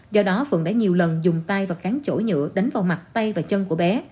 do đó phượng đã nhiều lần dùng tay và cắn chỗ nhựa đánh vào mặt tay và chân của bé